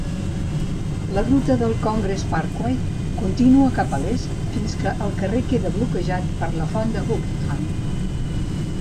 La ruta de Congress Parkway continua cap a l'est fins que el carrer queda bloquejat per la font de Buckingham.